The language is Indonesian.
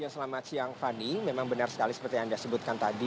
selamat siang fani memang benar sekali seperti yang anda sebutkan tadi